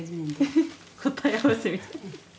答え合わせみたい。